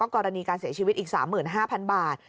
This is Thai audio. กรณีการเสียชีวิตอีก๓๕๐๐๐บาท